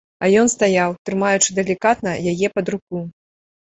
А ён стаяў, трымаючы далікатна яе пад руку.